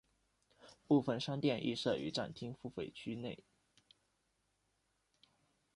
部分商店亦设于站厅付费区内。